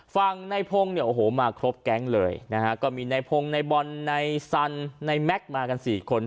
ฟังในพงศ์มาครบแก๊งเลยก็มีในพงศ์ในบอลในซันในแม็กซ์มากัน๔คน